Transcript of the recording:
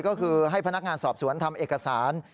ก็คือให้พนักงานสอบสวนทำเอกสาร